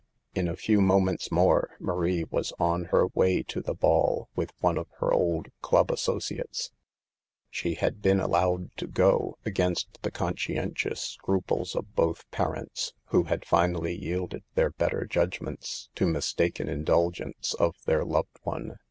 In a few moments more Marie was on her way to the ball with one of her old club asso ciates. She had been allowed to go, against the conscientious scruples of both parents, who had finally yielded their better judgments to mistaken indulgence of their loved one.